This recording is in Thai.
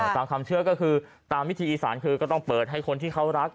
ตามความเชื่อก็คือตามวิธีอีสานคือก็ต้องเปิดให้คนที่เขารัก